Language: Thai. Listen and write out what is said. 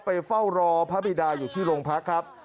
ไปเฝ้ารอพระบิดาอยู่ที่โรงพักครับ